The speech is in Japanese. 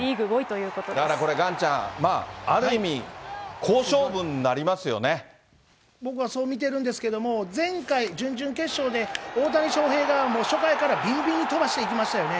だからこれ、岩ちゃん、僕はそう見てるんですけども、前回、準々決勝で大谷翔平が初回からびんびんに飛ばしていきましたよね。